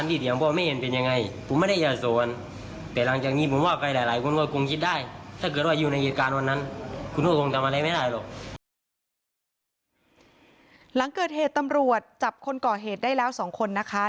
หลังเกิดเหตุตำรวจจับคนก่อเหตุได้แล้ว๒คนนะคะ